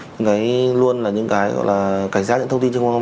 những cái luôn là những cái gọi là cảnh sát những thông tin trên mạng